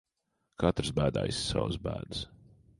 Katrs bēdājas savas bēdas.